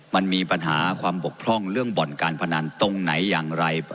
มันมีปัญหาความบกพร่องเรื่องบ่อนการพนันตรงไหนอย่างไร